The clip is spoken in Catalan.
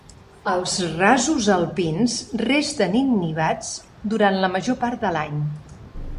Els rasos alpins resten innivats durant la major part de l'any.